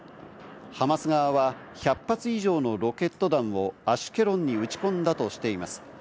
ハマス側は１００発以上のロケット弾をアシュケロンに撃ち込んだとしています。